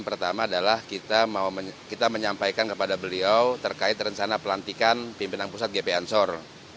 pertama adalah kita menyampaikan kepada beliau terkait rencana pelantikan pimpinan pusat gp ansor